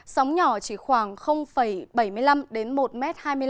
sóng nhỏ chỉ khoảng bảy mươi năm đến một hai mươi năm m